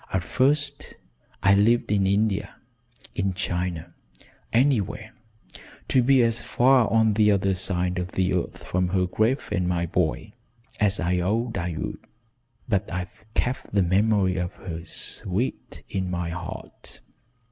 At first I lived in India in China anywhere to be as far on the other side of the earth from her grave and my boy, as I vowed I would, but I've kept the memory of her sweet in my heart.